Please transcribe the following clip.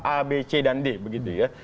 a b c dan d begitu ya